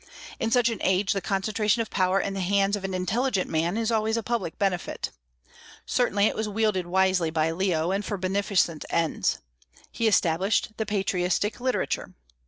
In such an age the concentration of power in the hands of an intelligent man is always a public benefit. Certainly it was wielded wisely by Leo, and for beneficent ends. He established the patristic literature.